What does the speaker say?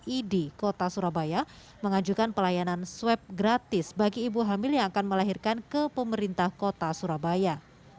idi kota surabaya mengajukan pelayanan swab gratis bagi ibu hamil yang akan melahirkan ke pemerintah kota surabaya